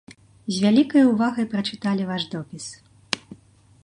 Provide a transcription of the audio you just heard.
З вялікай увагай прачыталі ваш допіс.